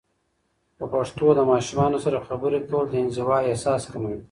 په پښتو د ماشومانو سره خبرې کول، د انزوا احساس کموي.